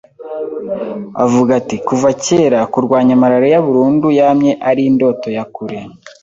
avuga ati: "Kuva kera, kurwanya malaria burundu yamye ari indoto ya kure